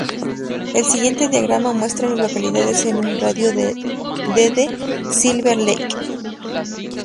El siguiente diagrama muestra a las localidades en un radio de de Silver Lake.